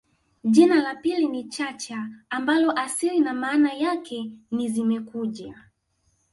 jina la pili ni Chacha ambalo asili na maana yake ni zimekuja